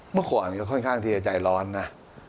เมื่อก่อนก็ค่อนข้างที่จะใจร้อนนะ